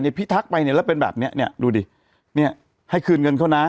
พี่ทักไปเนี่ยแล้วเป็นแบบเนี้ยเนี้ยดูดิเนี่ยให้คืนเงินเขานะ